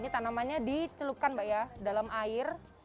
tanaman dicelupkan dalam air